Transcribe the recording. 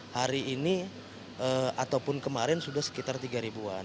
hari ini ataupun kemarin sudah sekitar tiga ribuan